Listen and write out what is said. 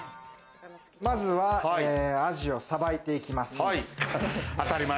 まずはアジをさばいていきます。